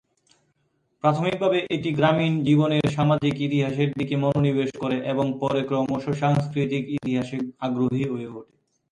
প্রাথমিকভাবে এটি গ্রামীণ জীবনের সামাজিক ইতিহাসের দিকে মনোনিবেশ করে এবং পরে ক্রমশ সাংস্কৃতিক ইতিহাসে আগ্রহী হয়ে ওঠে।